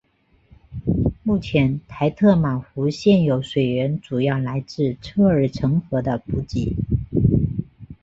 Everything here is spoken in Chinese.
目前台特玛湖现有水源主要来自车尔臣河的补给。